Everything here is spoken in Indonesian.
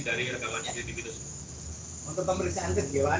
untuk pemeriksaan kejayaan dan tersangka kemudian